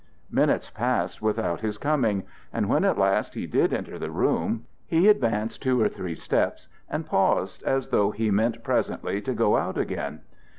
Minutes passed without his coming, and when at last he did enter the room, he advanced two or three steps and paused as though he meant presently to go out again.